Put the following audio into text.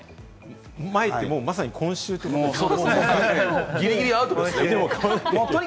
前って、まさにもう今週ですね。